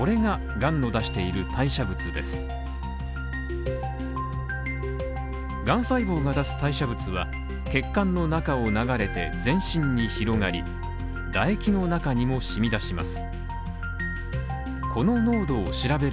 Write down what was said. がん細胞が出す代謝物は、血管の中を流れて、全身に広がり唾液の中にも染み出します。